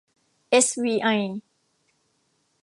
เอสวีไอ